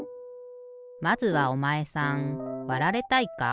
まずはおまえさんわられたいか？